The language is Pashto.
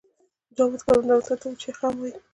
جامد کاربن دای اکساید ته وچ یخ هم وايي.